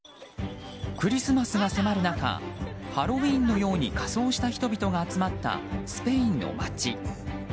クリスマスが迫る中ハロウィーンのように仮装した人々が集まったスペインの街。